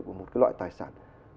của một loại tài sản